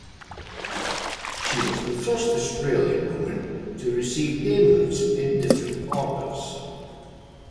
She was the first Australian woman to receive damehoods in different orders.